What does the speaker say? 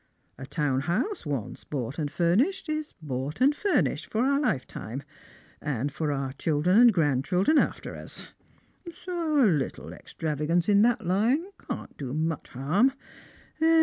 A town house once bought and furnished is bought and furnished for our lifetime, and for our children and grandchildren after us ; so a little extravagance in that line can't do much harm.